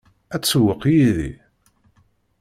Ad tsewweq yid-i?